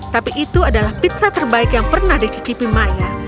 tapi itu adalah pizza terbaik yang pernah dicicipi maya